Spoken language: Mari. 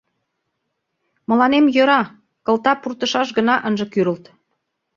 — Мыланем йӧра, кылта пуртышаш гына ынже кӱрылт.